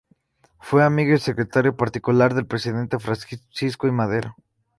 Fue amigo y secretario particular del presidente Francisco I. Madero.